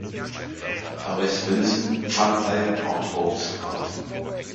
Jabez Wilson, Pfandleiher, braucht Holmes' Rat.